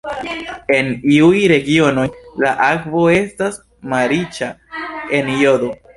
En iuj regionoj la akvo estas malriĉa en jodo.